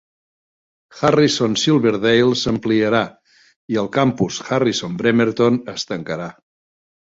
Harrison Silverdale s'ampliarà i el campus Harrison Bremerton es tancarà.